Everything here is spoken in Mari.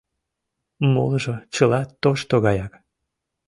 Молыжо чыла тошто гаяк.